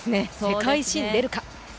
世界新出るか。